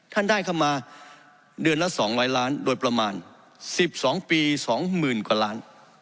ท่านได้เข้ามาเดือนละ๒๐๐ล้านโดยประมาณ๑๒ปี๒๐๐๐กว่าล้าน